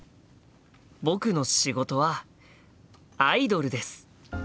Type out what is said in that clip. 僕の仕事はアイドルです。